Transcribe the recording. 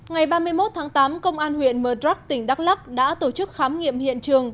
ngày ba mươi một tháng tám công an huyện mờ trắc tỉnh đắk lắc đã tổ chức khám nghiệm hiện trường